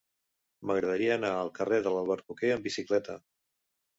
M'agradaria anar al carrer de l'Albercoquer amb bicicleta.